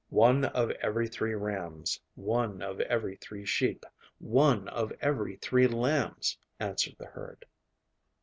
'One of every three rams, one of every three sheep, one of every three lambs,' answered the herd.